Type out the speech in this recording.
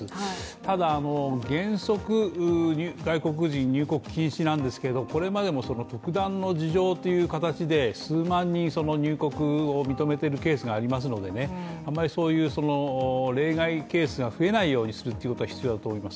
ただ原則外国人入国禁止なんですけど、これまでも特段の事情という形で数万人、入国を認めているケースがありますので、あまりそういう例外ケースが増えないようにすることは必要だと思います。